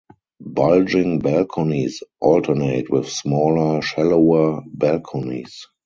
Bulging balconies alternate with smaller, shallower balconies.